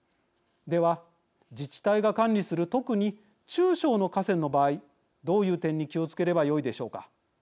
では、自治体が管理する特に中小の河川の場合どういう点に気をつければよいでしょうか。